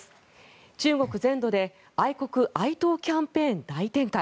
中国全土で愛国・愛党キャンペーン大展開。